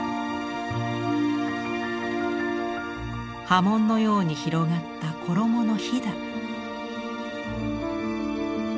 波紋のように広がった衣のひだ。